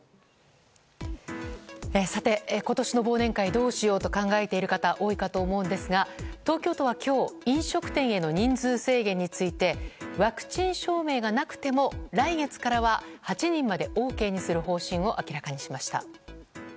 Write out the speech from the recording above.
さて、今年の忘年会どうしようと考えている方多いかと思うんですが東京都は今日飲食店への人数制限についてワクチン証明がなくても来月からは８人までＯＫにする方針を明らかにしました。